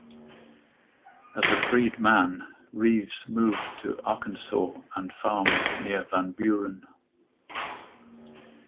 As a freedman, Reeves moved to Arkansas and farmed near Van Buren.